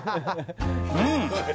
うん！